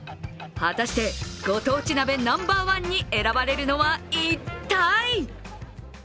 果たして、ご当地鍋ナンバーワンに選ばれるのは一体？